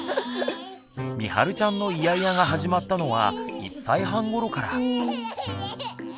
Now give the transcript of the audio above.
みはるちゃんのイヤイヤが始まったのは１歳半ごろから。